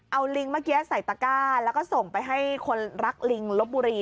เอาลิงเมื่อกี้ใส่ตะก้าแล้วก็ส่งไปให้คนรักลิงลบบุรี